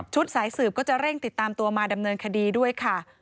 สายสืบก็จะเร่งติดตามตัวมาดำเนินคดีด้วยค่ะ